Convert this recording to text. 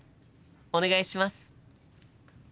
お願いします。